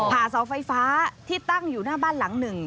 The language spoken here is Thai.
เสาไฟฟ้าที่ตั้งอยู่หน้าบ้านหลังหนึ่ง